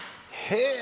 へえ。